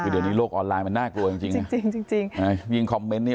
เดี๋ยวนี้โลกออนไลน์มันน่ากลัวจริงจริง